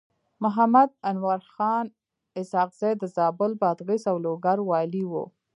محمد انورخان اسحق زی د زابل، بادغيس او لوګر والي و.